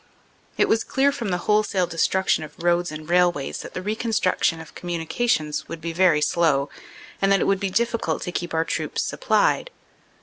"It was clear from the wholesale destruction of roads and railways that the reconstruction of communications would be very slow and that it would be difficult to keep our troops supplied.